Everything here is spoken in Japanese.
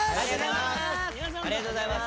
ありがとうございます。